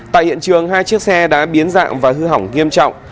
tại hiện trường hai chiếc xe đã biến dạng và hư hỏng nghiêm trọng